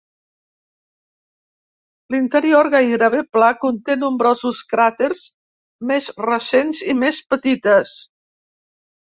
L'interior, gairebé pla, conté nombrosos cràters més recents i més petites.